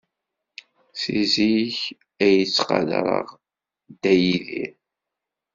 Seg zik ay yettqadareɣ a Dda Yidir.